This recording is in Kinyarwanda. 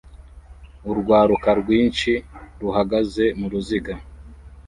Urwaruka rwinshi ruhagaze muruziga